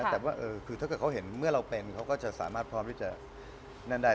แต่ถ้าเค้าเห็นเมื่อเราเป็นเขาก็จะสามารถพร้อมว่านั้นได้